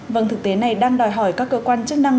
vâng thực tế này đang đòi hỏi các cơ quan chức năng